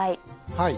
はい。